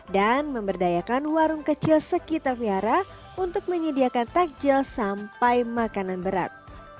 dan memberdayakan warung kecil sekitar wihara untuk menyediakan takjil sampai makanan berat